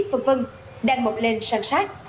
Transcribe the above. v v đang mọc lên sàn sát